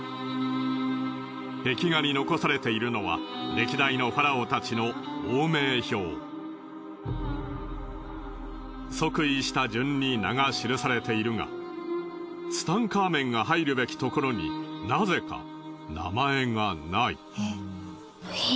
壁画に残されているのは歴代のファラオたちの即位した順に名が記されているがツタンカーメンが入るべきところになぜか名前がない。